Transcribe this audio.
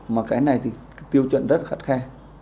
mà cái này thì tiêu chuẩn rất khắt khe